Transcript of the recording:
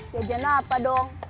yajana apa dong